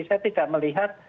saya tidak melihat